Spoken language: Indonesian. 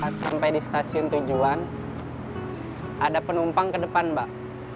pas sampai di stasiun tujuan ada penumpang ke depan mbak